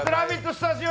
スタジオ！